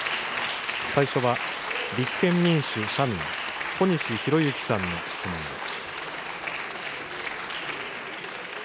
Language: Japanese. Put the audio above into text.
最初は立憲民主・社民、小西洋之さんの質問です。